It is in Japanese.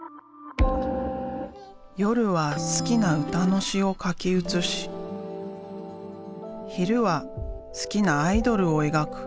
夜は好きな歌の詞を書き写し昼は好きなアイドルを描く。